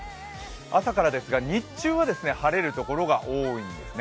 朝からですが、日中は晴れるところが多いんですね。